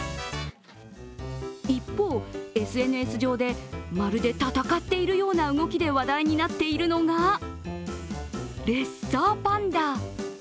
一方、ＳＮＳ上でまるで戦っているような動きで話題になっているのがレッサーパンダ。